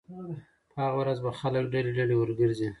په هغه ورځ به خلک ډلې ډلې ورګرځي